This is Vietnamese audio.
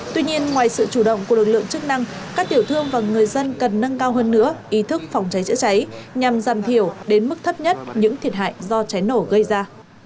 tuy nhiên ngoài sự chủ động của lực lượng chức năng các tiểu thương và người dân cần nâng cao hơn nữa ý thức phòng cháy chữa cháy nhằm giảm thiểu đến mức thấp nhất những thiệt hại do cháy nổ gây ra